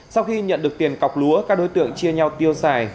sau khi nhận được tiền cọc lúa các đối tượng chia nhau tiêu xài